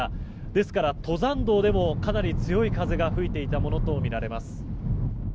ですから、登山道でもかなり強い風が吹いていたものとみられます。